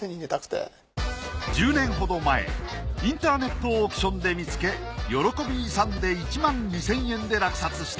１０年ほど前インターネットオークションで見つけ喜び勇んで１万２，０００円で落札した。